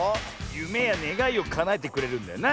ゆめやねがいをかなえてくれるんだよな。